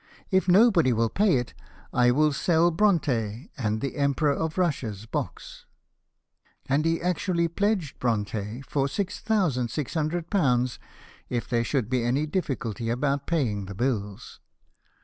If nobody will pay it I will sell Bronte and the Emperor of Russia's box." And he actually pledged Bronte for £6,600, if there should be any difficulty about paying the bills.